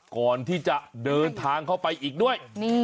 ก่อนที่จะเดินทางเข้าไปอีกด้วย